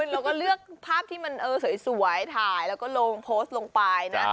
แล้วก็เลือกภาพที่มันสวยถ่ายแล้วก็เพลิงลงไป